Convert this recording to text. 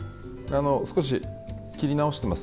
少し切り直してます。